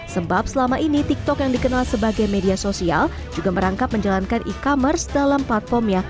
sebab selama ini tiktok yang dikenal sebagai media sosial juga merangkap menjalankan e commerce dalam platformnya